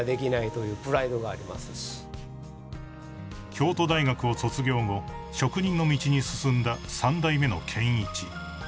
［京都大学を卒業後職人の道に進んだ三代目の健一］